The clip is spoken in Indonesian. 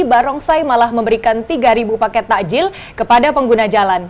barongsai malah memberikan tiga paket takjil kepada pengguna jalan